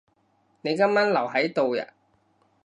你今晚留喺度呀？